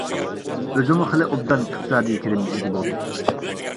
ئۆزىمۇ خېلى ئوبدان ئىقتىسادىي كىرىمگە ئىگە بولدى.